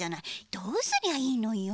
どうすりゃいいのよ。